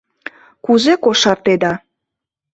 — Кузе кошартеда?